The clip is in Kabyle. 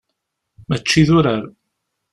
Mačči d urar.